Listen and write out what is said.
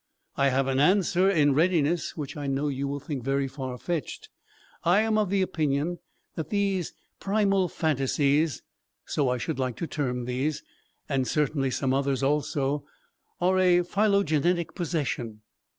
I have an answer in readiness which I know you will think very far fetched. I am of the opinion that these primal phantasies so I should like to term these, and certainly some others also are a phylogenetic possession.